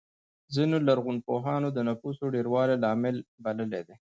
ځینو لرغونپوهانو د نفوسو ډېروالی لامل بللی دی